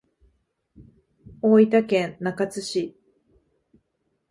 大分県中津市